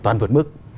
toàn vượt mức